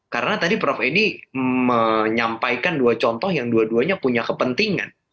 karena tadi prof edi menyampaikan dua contoh yang dua duanya punya kepentingan